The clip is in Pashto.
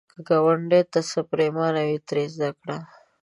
که ګاونډي ته څه پرېمانه وي، ترې زده کړه